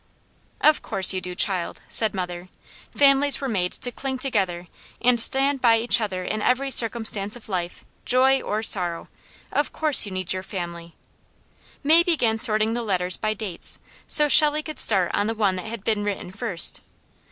"Of course you do, child," said mother. "Families were made to cling together, and stand by each other in every circumstance of life joy or sorrow. Of course you need your family." May began sorting the letters by dates so Shelley could start on the one that had been written first.